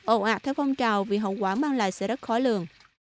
ồ ạt theo phong trào vì hậu quả mang lại sẽ rất khó lường